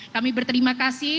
kami berterima kasih